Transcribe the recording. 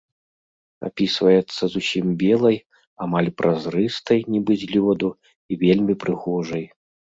Апісваецца зусім белай, амаль празрыстай, нібы з лёду, і вельмі прыгожай.